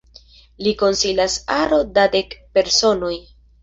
Lin konsilas aro da dek personoj.